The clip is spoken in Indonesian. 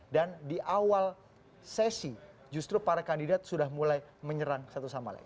dan di awal sesi justru para kandidat sudah mulai menyerang satu sama lain